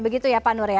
begitu ya pak nur ya